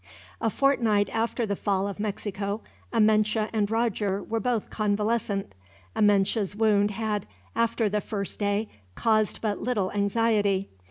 A fortnight after the fall of Mexico, Amenche and Roger were both convalescent. Amenche's wound had, after the first day, caused but little anxiety.